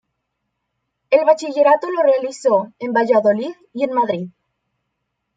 El bachillerato lo realizó en Valladolid y en Madrid.